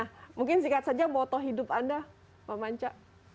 oke oke nah mungkin sikat saja moto hidup anda pak manca